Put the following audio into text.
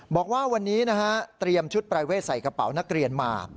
บอกว่าวันนี้นะฮะเตรียมชุดปรายเวทใส่กระเป๋านักเรียนมา